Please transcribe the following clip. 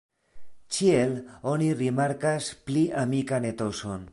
Ĉiel oni rimarkas pli amikan etoson.